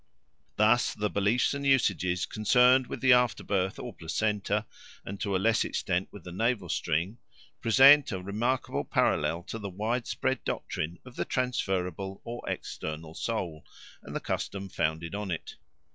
Thus the beliefs and usages concerned with the afterbirth or placenta, and to a less extent with the navel string, present a remarkable parallel to the widespread doctrine of the transferable or external soul and the customs founded on it.